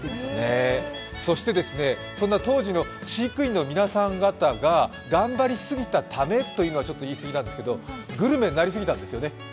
そしてそんな当時の飼育員の皆さん方が頑張りすぎたためというのはちょっと言いすぎなんですけどグルメになったんですよね？